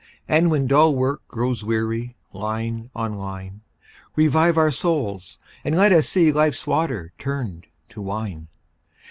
and when dull work Grows weary, line on line, Revive our souls, and let us see Life's water turned to wine.